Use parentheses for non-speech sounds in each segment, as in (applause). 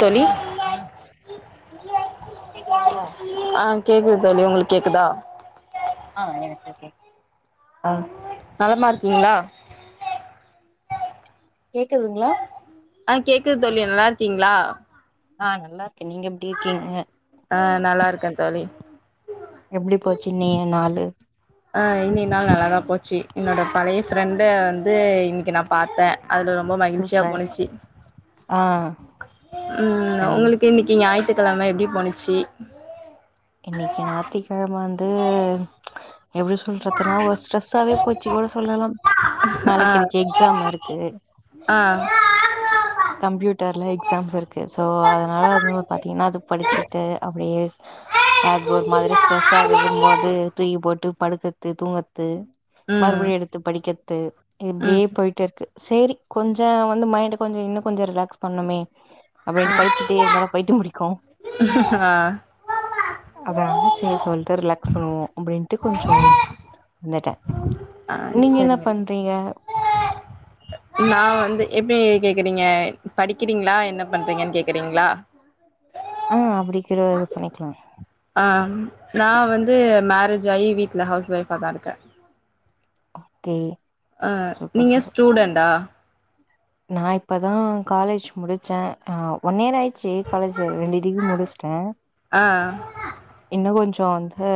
தோழி கேக்குதுங்ளா ஆ கேக்குது தோழி ஒங்களுக்கு கேக்குதா ஆ எனக்கு கேக்குது ஆ நலமா இருக்கீங்ளா கேக்குதுங்ளா ஆ கேக்குது தோழி நல்லா இருக்கீங்ளா ஆ நல்லா இருக்கேன் நீங்க எப்டி இருக்கீங்க ஆ நல்லா இருக்கே தோழி எப்டி போச்சு இன்னைய நாளு ஆ இன்னைய நாள் நல்லாதா போச்சு என்னுடைய பழைய ஃப்ரெண்ட வந்து இன்னைக்கி நா பாத்தே அதுல ரொம்ப மகிழ்ச்சியா சூப்பர் போணுச்சி ஆ ம் கண் ஒங்களுக்கு இன்னைக்கி ஞாயித்துக்கெழம எப்டி போணுச்சி இன்னைக்கி ஞாத்திக்கெழம வந்து எப்டி சொல்றதுனா ஒரு ஸ்ட்ரெஸ்ஸாவே போச்சி கூட சொல்லலாம் ஆ நாளைக்கி எனக்கு எக்ஸாம இருக்கு ஆ கம்ப்யூட்டர்ல எக்ஸாம்ஸ் இருக்கு சோ அதனால அது (unintelligible) பாத்தீங்கன்னா அது படிச்சிட்டு அப்டியே அது ஒரு மாதிரி ஸ்ட்ரெஸ் ஆகுதும் போது தூக்கி போட்டு படுக்கற்து தூங்கற்து ம் மறுபடியும் எடுத்து படிக்கிற்து இப்டியே ம் போயிட்டு இருக்கு சேரி கொஞ்சோ வந்து மைண்ட் கொஞ்சோ இன்னும் கொஞ்சோ ரிலாக்ஸ் பண்ணுமே அப்டின்ட்டு படிச்சிட்டே இருந்தாலும் பைத்தியம் பிடிக்கும் ஆ அதா செய்ய சொல்லிட்டு ரிலாக்ஸ் பண்ணுவோம் அப்டின்ட்டு கொஞ்சம் வந்துட்டேன் ஆ நீங்க என்ன சரிங்க தோழி. பண்றீங்க (unintelligible) நா வந்து எப்டி கேக்கிறீங்க படிக்கிறீங்களா என்ன பண்றீங்கன் கேக்கிறீங்ளா ஆ அப்டிக்கிற இது பண்ணிக்லாம் ஆ நா வந்து மேரேஜ் ஆகி வீட்ல ஹவுஸ் ஒய்ஃப்பா தா இருக்கேன் ஓகே அ சூப்பர் நீங்க சூப்பர் ஸ்டூடெண்டா நா இப்ப தான் காலேஜ் முடிச்சே ஆ ஒன் இயர் ஆயிச்சி காலேஜ் ரெண்டு டிகிரி முடிச்ட்டே ஆ இன்னும் கொஞ்சோ வந்து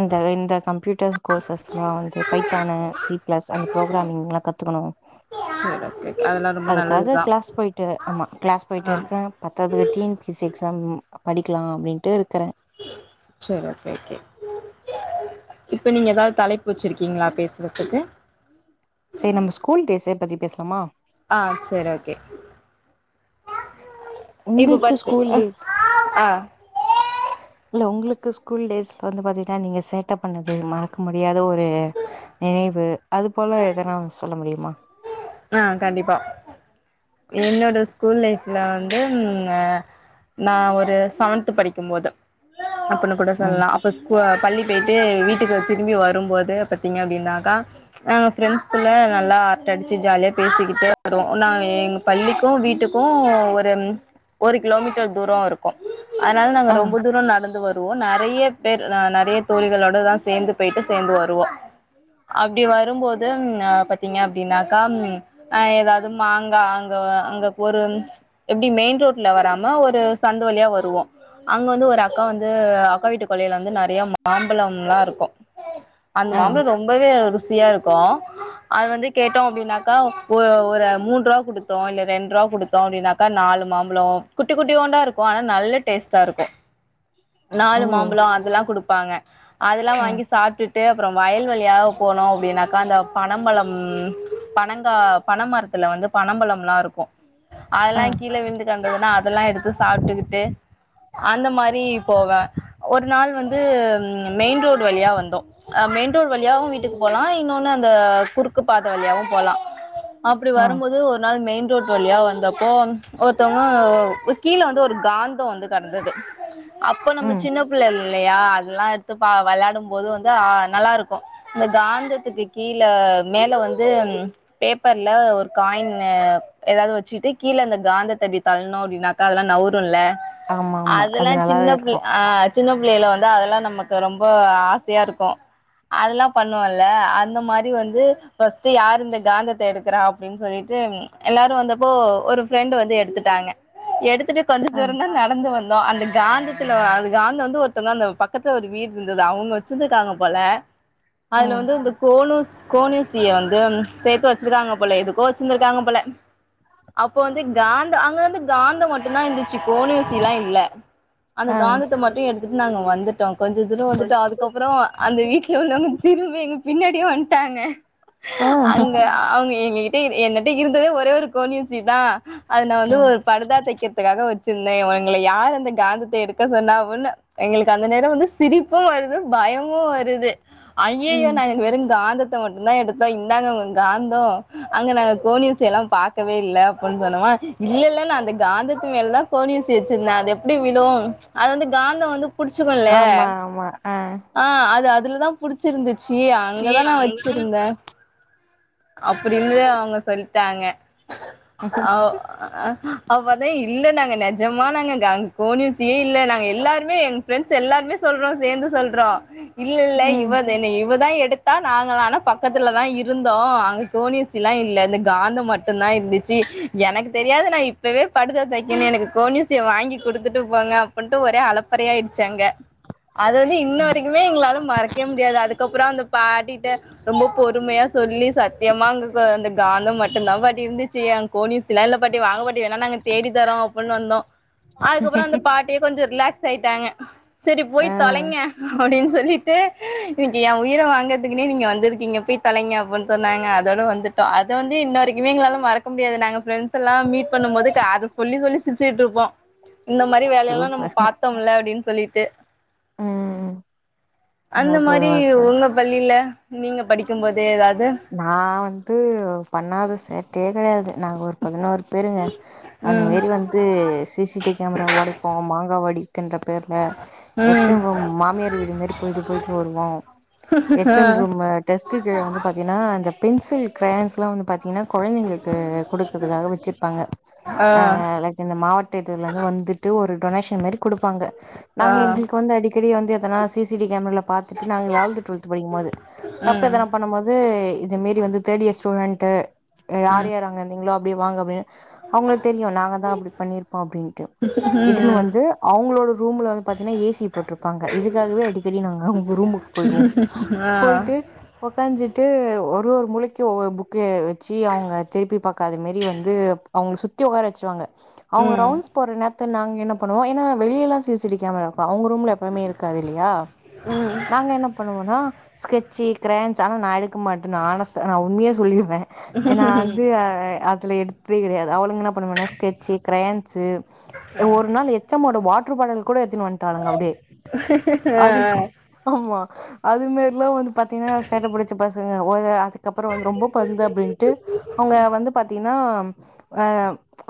இந்த இந்த கம்ப்யூட்டர் கோர்சஸ் எல்லாம் வந்து பைத்தான் சி பிளஸ் அந்த ப்ரோகிரமிங் எல்லாம் கத்துக்கணும் சரி ஓகே அதெல்லா ரொம்ப அதுக்காக நல்லதுதா கிளாஸ் போயிட்டு ஆமா கிளாஸ் போயிட்டு ஆ இருக்கேன் பத்தாதுக்கு T N P C exam படிக்கலாம் அப்டின்ட்டு இருக்கறே சரி ஓகே ஓகே இப்ப நீங்க ஏதாவ் தலைப்பு வச்சிருக்கீங்ளா பேசறதுக்கு செரி நம்ம ஸ்கூல் டேஸே பத்தி பேஸ்லாமா ஆ செரி ஓகே இப்போ உங்களுக்கு பாத் ஸ்கூல் டேஸ் ஆ இல்ல ஒங்ளுக்கு ஸ்கூல் டேஸ்ல வந்து பாத்தீங்கன்னா நீங்க சேட்டப் பண்ணது மறக்க முடியாத ஒரு நினைவு அது போல எதனா சொல்ல முடியுமா ஆ கண்டிப்பா என்னோட ஸ்கூல் லைஃப் இதுல வந்து ந நா ஒரு செவன்த் படிக்கும்போது அப்ப நா கூட ம் சொல்லலாம் ஸ்கூ பள்ளி போயிட்டு வீட்டுக்கு திரும்பி வரும்போது பாத்தீங்க அப்டின்னாக்கா ஆ ஃப்ரெண்ட்ஸ்க்குள்ள நல்லா அரட்ட அடிச் சி ஜாலியா பேசிக்கிட்டே வருவோம் நான் எங்க பள்ளிக்கும் வீட்டுக்கும் ஒரு ஒரு கிலோமீட்டர் தூரோ இருக்கும் அதனால நாங்க ஆ ரொம்ப தூரோ நடந்து வர் ருவோ நெறைய பேர் ந நெறைய தோழிகளோடதான் சேந்து போயிட்டு சேந்து வருவோம் அப்டி வரும்போது ம் பாத்தீங்க அப்டின்னா கான் ஆ எதாவது மாங்கா அங்க அங்க ஒரு எப்டி மெயின் ரோட்ல வராம ஒரு சந்து வழியா வருவோ அங்க வந்து ஒரு அக்கா வந்து அக்கா வீட்டு கொல்லையில வந்து நறைய மாம்பழம்லா இருக்கு அந்த ஆ மாம்பலோ ரொம்பவே ருசியா இருக்கு அது வந்து கே குடுத்தோ அப்டின்னாக்க ஒ ஒரு மூன்ரூவா குடுத்தோ இல்ல ரெண்டு ரூவா குடுத்தோ அப்டின்னாக்கா நாலு மாம்பலோ குட்டி குட்டியோண்டா இருக்கு ஆனா நல்ல டேஸ்ட்டா இருக்கு ஓ நாலு மாம்பலோ அதெல்லா குடுப்பாங்க அதெல்லா ஆ வாங்கி சாப்டுட் ட்டு அப்றோ வயல்வெளியாக போனோ அப்டின்னாக்க அந்த பனம்பழம் பனங்கா பனமரத்துல வந்து பனம்பழம்ல்லா இருக்கு ஆ அதெல்லா கீழ விழுந்து கெடந்ததுனா அதெல்லா எடுத்து சாப்ட்டுக்கிட்டு அந்த மாரி போவே ஒரு நாள் வந்து மெயின் ரோடு் வழியா வந்தோ அ மெயின் ரோடு வழியாவு வீட்டுக்கு போலா இன்னொன்னு அந்த குறுக்கு பாத வழியாவு போலா அப்டி ஆ வரும்போது ஒரு நாள் மெயின் ரோட் வழியா வந்தப்போ ஒருத்தவங்க கீழ வந்து ஒரு காந்தோ வந்து கிடந்தது அப்ப நம்ம ம் சின்னப் பிள்ள இல்லையா அதெல்லா எடுத்து பா விளையாடும் போது வந்து அ நல்லா இருக்கு இந்த காந்தத்துக்கு கீழ மேல வந்து பேப்பர்ல ஒரு காயின் எதாவது வெச்சுட்டு கீழ அந்த காந்தத்த இப்டி தள்னோ அப்டின்னா அதெல்லா நவுருல்ல ஆமா ஆமா அது அதெல்லா நல்லாவே சின்ன பிள் இருக்கு அ சின்ன பிள்ளேல வந்து அதெல்லா நமக்கு ரொம்ப ஆசையா இருக்கு அதெல்லா பண்ணுவல்ல அந்த மாரி வந்து ஃபஸ்ட் யார் இந்த காந்தத்த எடுக்கிறா அப்டின்னு சொல்லிட்டு எல்லாரு வந்தப்போ ஒரு ஃப்ரெண்டு் வந்து எடுத்துட்டாங்க எடுத்துட்டு கொஞ்ச ஆ தூரோந்தா நடந்து வந் தோ அந்த காந்தத்துல அது காந்த வந்து ஒருத்தவங்க அந்த பக்கத்துல ஒரு வீடு இருந்தது அவுங்க வச்சிருந்திக்காங்க போல ஆ அதுல வந்து இந்த கோனுஸ் கோனூசிய வந்து சேத்து வெச்சிருக்காங்க போல எதுக்கோ வெச்சிருந்திருக்காங்க போல அப்போ வந்து காந்த அங்க வந்து காந்தம் மட்டுந்தா இருந்துச்சு கோனுசில்லா இல்ல அந்த ஆ காந்தத்த மட்டு எடுத்துட்டு நாங்க வந்துட்டோ கொஞ்ச தூரோ வந்துட்டோ அதுக்கப்புறோ அந்த வீட்ல உள்ளவங்க திரும்பி எங்க பின்னாடியே வந்ட்டாங்க ஆ அவுங்க எங்ககிட்ட என்னிட்ட இருந்ததே ஒரே ஒரு கோன்யூசி தா அது நா வந்து ஆ ஒரு பர்தா தைக்கிறதுக்காக வெச்சிருந்தே இவங்கள யாரு அந்த காந்தத்த எடுக்க சொன்னா அப்பின்னு எங்களுக்கு அந்த நேர வந்து சிரிப்பு வருது பயமு வருது ஐயயோ ம் நாங்க வெறு காந்தத்த மட்டுந்தா எடுத்தோ இந்தாங்க உங்க காந்தோ அங்க நாங்க கோன்யூசியல்லா பாக்கவே இல்ல அப்பின் சொன்னமா இல்ல இல்லல்ல அந்த காந்தத்து மேலதா கோனூசி வெச்சிருந்த அது எப்டி விழு அது வந்து காந்த வந்து புடிச்சுக்குள்ள ஆமா ஆமா ஆ அது அதுல தா புடிச்சிருந்துச்சு ஏ அங்கதா நா அங்கதான வச்சிருந்தே அப்டின்னு அவுங்க சொல்ட்டாங்க அ அப்பதா இல்ல நாங்க நெஜமா நாங்க அங்க கோனியூசியே இல்ல நாங்க எல்லாருமே எங் ஃப்ரெண்ட்ஸ் எல்லாருமே சொல்றோ சேந்து சொல்றோ இல்ல இல்ல ம் இவ இவ தா எடுத்தா நாங்களானா பக்கத்துலதா இரு இருந்தோ அங்க கோனுசில்லா இல்ல இந்த காந்தம் மட்டு தா இருந்துச்சு எனக்கு தெரியாது நா இப்பவே படுதா தைக்கனு எனக்கு கோன்யூசிய வாங்கி குடுத்துட்டு போங்க அப்டின்ட்டு ஒரே அலப் பறை ஆயிடுச்சு அங்க அது வந்து இன்ன வரைக்குமே எங்களால மறக் கவே முடியாது அதுக்கப்றோ அந்த பாடிட்ட ரொம்ப பொறுமையா சொல்லி சத்தியமா அங்க அந்த காந்தம் மட்டுந்தா பாட்டி இருந்துச்சு அங் கோனுசிலா இல்ல பாட்டி வாங்க பாட்டி வேணா நாங்க தேடி தரோ அப்டின்னு வந்தோ அதுக்கப்றோ அந்த பாட் அப்படியே கொஞ்சு ரிலாக்ஸ் ஆயிட்டாங்க சரி போய் ஆ தொலைங்க அப்டின்னு சொல்லிட்டு இன்னைக்கு எ உயிர வாங்கறதுக்குனே நீங்க வந்திருக்கீங்க போய் தொலைங்க போன்னு சொன்னாங்க அதோட வந்துட்டோ அது வந்து இன்னோரைக்குமே எங்களால மறக்க முடியாது நாங்க பிரண்ட்ஸ் பிரண்ட்ஸ்ல்லா மீட் பண்ணும் போது அத சொல்லி சொல்லி சிரிச்சுட்டு இருப்போ இந்த மாரி வேலயெல்லா நம்ம சூப்பர் பாத்தோம்ல அப்டின்னு சொல்லிட்டு ம் அந்த அற்புதோ மாரி அற்புதோ உங்க பள்ளியில நீங்க படிக்கும் போதே ஏதாது நா வந்து பண்ணாத சேட்டேயே கெடையாது நாங்க ஒரு பதினோரு பெருங்க அந்த ம் மாரி வந்து சி சி டிவி கேமரா ஒடைப்போ மாங்காவடிப் ன்ற பேர்ல ம் எச்சம்ரூம் மாமியார் வீடு மாரி போய்ட்டு போய்ட்டு வருவோ ஹு ஹு ஹ டெஸ்டுக்கு வந்து பாத்தீங்கன்னா அந்த பென்சில் கிரயான்ஸ்லா வந்து பாத்தீங்கன்னா கொழந்தைங்களுக்கு குடுக்கறதுக்காக வச்சிருப்பாங்க ஆ இந்த மாவட்டத்துல இருந்து வந்துட்டு ஒரு டொனேஷன் மாரி குடுப்பாங்க ஆ நாங்க எங்குளுக்கு வந்து அடி தடி வந்து எதனா சி சி டி கேமரால பாத்துட்டு நாங்க லெவன்த் டுவெல்த் படிக்கும் போது தப்ப ம் எதன பண்ணும் போது இது மாரி வந்து தேர்ட் இயர் ஸ்டூடெண்டு யாரு ம் யாரு அங்க இருந்தீங்களோ அப்டியே வாங்க அப்டின் அவுங்களுக் தெரியு நாங்க தா அப்புடி பண்ணிருப்போ அப்படின்ட்டு இத்துனையு ம் வந்து அவங்களோட ரூம்ல வந்து பாத்தீன்னா ஏசி போட்ருப்பாங்க இதுக்காகவே அடிக்கடி நாங்க அவங்க ரூம் புக் போயிருவோ ஆ உக்காஞ்சிட்டு ஒரு ஒரு மூளைக்கு ஒவ்வொரு புக்கு வெச் சி அவங்க திருப்பி பாக்காத மாரி வந்து அவங்க சுத்தி உக்கார வச்சுருவாங்க அவங்க ம் ரவுன்ஸ் போற நேர நாங்க என்ன பண்ணுவோ ஏனா வெளிய எல்லா சி சி டி கேமரா இருக்கு அவங்க ரூம்ல எப்போமே இருக்காது இல்லையா ம் நாங்க என்ன பண்ணுவோம்னா ஸ்கெச் சீக்கிரன்ஸ் ஆனா நா எடுக்க மாட்டே நானால நா உண்மையே சொல்லிருவே ஏ நா வந்து அதுல எடுத்ததே கெடையாது அவனுங்க என்ன பண்ணுவானா கெட்ச் கேரேயான்சு ஒரு நாளு எச்சம்மோட வாட்ரு பாடல் கூட எத்தினு வந்துட்டாளுங்க அப்டியே அது கு ஆமா அது மாரில்லா வந்து பாத்தீங்கன்னா சேட்ட புடிச்ச பசங்க ஓய அதுக்கப்பறோ வந்து ரொம்ப பன்து அப்டின்ட்டு அவங்க வந்து பாத்தீங்கன்னா அ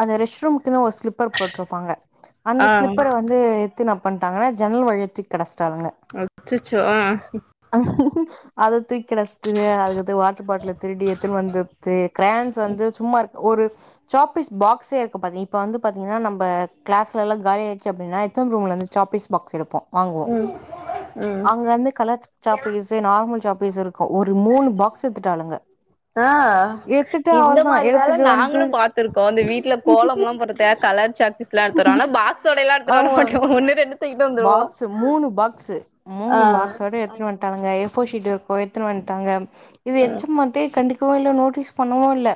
அந்த ரெஸ்ட் ரூம்க்குன்னு ஒரு ஸ்லிப்பர் போட்ருப்பாங்க அந்த ஆ ஆ ஸ்லிப்பர வந்து த்து இன்ன பண்ட்டாங்கான ஜனல் வழியா தூக்கடச்சிட்டாங்க அச்சச்சோ ஆ ம்ம்ம் அது தூக்கி கெடச்சிட்டு அதுக்கு வாட்ரு பாட்ல திருடி ஏத்துன்னு வந்தது கிரான்ஸ் வந்து சும்மாரு ஒரு சாபீஸ் பாக்ஸேருக்கு பாதி இப்ப வந்து பாத்தீங்கன்னா நம்ம கிளாஸ்லா காலியாயிருச்சு அப்டினா எச்சம் ரூம்லந்து சாபீஸ் பாக்ஸ் எடுப்போ வாங்குவோ ம் ம் அங்க வந்து கலர் சாப்பீஸு நார்மல் சாப்பீஸு இரு ஒரு மூணு பாக்ஸ் எடுத்துட்டாலுங்க ஆ இந்த மாரி வேல எடுத்துட்டு வந்து நாங்களு பாத்துருக்கோ இந்த வீட்டுல கோலம்ல்லா பொடு இந்த கலர் சாக்பிஸ்லா எடுத் வருவோ ஆனா பாக்ஸோடலா எடுத்துட்டு வர ஆமா மாட்டோ ஒன்னு ரெண்டு தூக்கிட்டு வந்துருவோ பாக்ஸு மூணு பாக்ஸு ஆ மூனு பாக்ஸோட எடுத்துன்னு வ ட்டாளுங்க ஏ ஃபோர் சீட் இருக்கு எத்துனு வண்டாங்க இத ஆ எச் எம் வந்து கண்டு க்கவுல்ல நோட்டீஸ் பண்ணவு இல்ல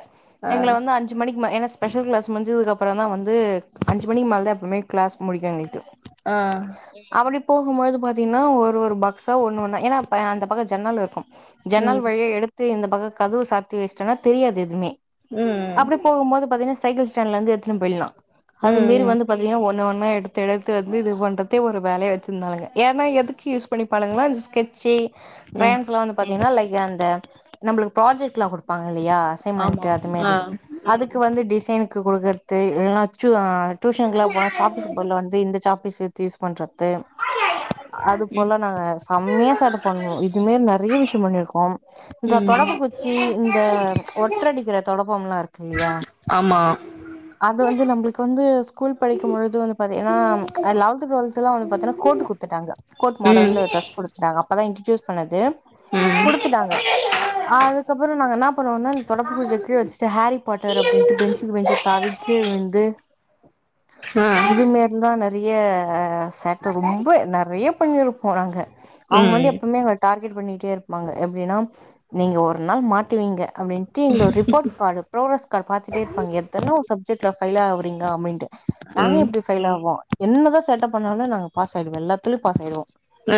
எங்கள ஆ வந்து அஞ்சு மணிக்கு மேல ஸ் ஸ்பெஷல் கிளாஸ் முஞ்சதுக்கப்பறோ தா வந்து அஞ்சுமணிக்கு மேல தா எப்பவுமே கிளாஸ் முடிக்கு எங்களுக்கு ஆ அப்படி போகுபோது பாத்தீங்கன்னா ஒரு ஒரு பாக்ஸா ஒண்ணு ஒண்ணா ஏன்னா அந்த பக்க ஜன்னல் இருக்கு ஜன்னால் ம் வழியா எடுத்து இந்த பக்கோ கதவு சாத்தி வெச்சிட்டேன்னா தெரியாது எதுவுமே ம் அப்படி போகும்போது பாத்தீங்கன்னா சைக்கிள் ஸ்டாண்ட்ல இருந்து எடுத்துட் போயிடலா அது ம் மாரி ம் வந்து பாத்தீங்கன்னா ஒர் ஒன்னு ஒன்னா எடுத்து எடுத்து வந்து இது பண் இத பத்தே ஒரு வேலயா வச்சிருந்தாளுங்க ஏன்னா எதுக்கு யூஸ் பண்ணிப்பாளுங்கனா இந்த ஸ்கெட்ச் ம் க்ரயான்ஸ்லா ப பாத்தீங்கன்னா லைக் அந்த நம்மளுக்கு ப்ராஜெக்ட்ல்லா குடுப்பாங்க இல்லையா அசைன்மெண்ட் ஆமா அது மாரி ஆ அதுக்கு வந்து டிசைனுக்கு குடுக்கறது எல்லா சு டியூஷனுக்குலா போனா சாக்பீஸ்க்கு பதிலா இந்த இந்த சாக்பீஸ் எடுத்து யூஸ் பண்றது அது ம் போல நாங்க செம்மையா சேட்ட பண்ணுவோ இதுமே நெறைய விஷ்ய பண்ணிருக்கோ இந்த ம் தொடப்ப குச்சி இந்த ஒட்ரடிக்கிற தொடப்பம்ல்லா இருக்கு இல்லையா ஆமா அது வந்து நம்மளுக்கு வந்து ஸ்கூல் படிக்கு பொழுது வந்து பாத்தீங்கனா அது லா ல்லா வந்து பாத்தினா கோர்ட் குடுத்துட்டாங்க கோர்ட் ம் மாடல்ல டிரஸ் குடுத்தாங்க அப்பதா இன்டிடியூஸ் பண்ணது ம் குடுத்துட்டாங்க அ அதுக்கப்புறோ நாங்க என்ன பண்ணுவோன்னா அந்த தொடப்புக்குச்சிய அப்டியே வச்சுட்டு ஹாரி பாட்டர் அப்டின்ட்டு பெஞ்சுக்கு பெஞ்சி தாவிட்டே விழ்ந்து ஆ இதுமேரிதா ந நெறைய சேட்ட ரொம்ப நெறைய பண்ணிருப்போ நாங்க அவுங்க வந்து ம் எப்பவுமே டார்கெட் பண்ணிட்டே இருப்பாங்க எப்டின்னா நீங்க ஒரு நாள் மாட்டுவீங்க அப்டின்னு னு எங்கள ஒரு ரிப்போர்ட் கார்ட்ட ப்ரோகிரஸ் கார்டு பாத்துட்டே இருப்பாங்க எத்தனோ சப்ஜெக்ட்ல ஃபெயில் ஆவுரிங்களா அப்டின்ட்டு ம் ஆ ம் நாங்க எப்டி ஃபெயில் ஆவோ என்னதா சேட்டப் பண்ணாலு நாங்க பாஸ் ஆயிடுவோ எல்லாத்துலேயு பாஸ் ஆகிடுவோ ஆ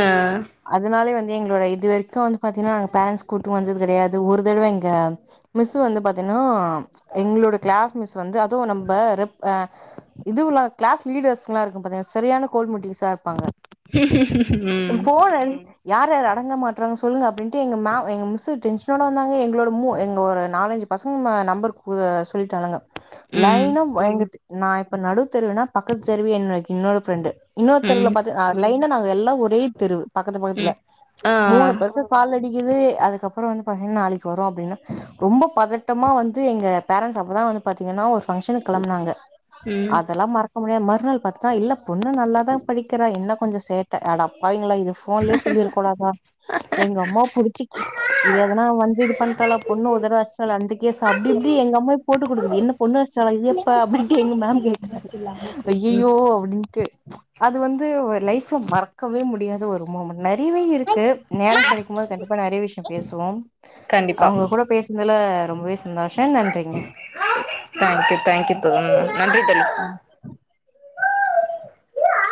அதனாலே வந்து எங்களோட இது வரைக்கு வந்து பாத்தீங்கன்னா நாங்க பேரண்ட்ஸ் கூட்டிட்டு வந்தது கெடையாது ஒரு தடவ எங்க மிஸ்ஸு வந்து பாத்தீங்கன்னா எங்களோட கிளாஸ் மிஸ் வந்து அதுவு நம்ப ரெப் அ இதுவுல்லா கிளாஸ் லீடர்ஸ்ல்லா இருக்கு பாத்தீங்க சரியான கோல் மூட்டிஷ்ஸா இருப்பாங்க ஃபோனன் யார் யாரு அடங்க மாட்றாங்க சொல்லுங்க அப்டின்ட்டு எங்க மே எங்க மிஸ்ஸு டென்ஷனோட வந்தாங்க எங்களோட மூ எங்க ஒரு நாலன்ஜ் பசங்க நம்பர் கு சொல்லிட்டானுங்க ம் லைனு எங்க நா இப்ப நடுவு தெருவுனா பக்கத்து தெருவு எங்க இன்னொரு ஃப்ரெண்டு இன்னொரு தெருவுல ம் பாத்தா அ லைனா நாங்க எல்லா ஒரே தெருவு பக்கத்து பக்கத்துல ம் ஆ மூனு பேருக் கால் அடிக்குது அதுக்கப்புறோ வந்து பாத்தீங்கன்னா நாளைக்கு வரு அப்டின்னு ரொம்ப பதட்டமா வந்து எங்க பேரன்ட்ஸ் அப்பதா வந்து பாத்தீங்கன்னா ஒரு ஃபங்க்ஷனுக் கெளம்புனாங்க ம் அதெல்லா மறக்க முடியாது மறுநாள் பாத்தா இல்ல பொண்ணு நல்லாதா படிக்கிறா என்ன கொஞ்ச சேட்ட அடப்பாவீங்களா இத ஃபோன்லயே சொல்லியிருக்க கூடாதா எங்க அம்மா புடிச்சி கி இவ எதனா வந்து இது பண்ட்டாலா பொண்ணு ஒருதடவ அடிச்சால அந்த கேஸ் அப்டி இப்டி எங்க அம்மா போட்டு குடுக்குது என்ன பொண்ணு அடிச்சாலா இது எப்ப அப்டின்ட்டு எங்க மேம் கேக்குறாங்க ம் ஐயயோ அப்டின் ட்டு அது வந்து லைஃப்ல மறக்கவே முடியாத ஒரு மூமெண்ட் நெறையவே இருக் கு நேர கெடைக்கும்போது கண்டிப்பா நெறைய விஷ்ய பேசுவோம் கண்டிப்பா அவுங்க கூட பேச னால ரொம்பவே சந்தோஷம் நன்றிங்க டேங்க்யூ டேங்க்யூ தோழி நன்றி தோழி ஆ